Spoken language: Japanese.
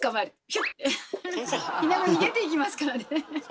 いなご逃げていきますからね。